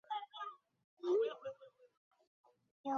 圣普列斯特人口变化图示